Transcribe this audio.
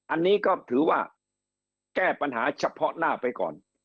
อันนี้ก็ถือว่าแก้ปัญหาเฉพาะหน้าไปก่อน